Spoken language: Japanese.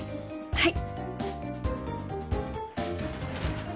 はい。